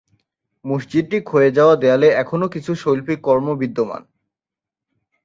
মসজিদটির ক্ষয়ে যাওয়া দেয়ালে এখনও কিছু শৈল্পিক কর্ম বিদ্যমান।